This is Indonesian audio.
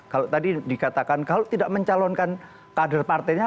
kalau tadi dikatakan kalau tidak mencalonkan kader partainya